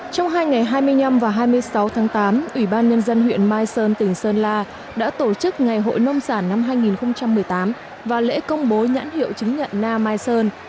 trong hai ngày hai mươi năm và hai mươi sáu tháng tám ủy ban nhân dân huyện mai sơn tỉnh sơn la đã tổ chức ngày hội nông sản năm hai nghìn một mươi tám và lễ công bố nhãn hiệu chứng nhận na mai sơn